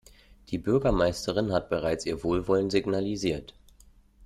Die Bürgermeisterin hat bereits ihr Wohlwollen signalisiert.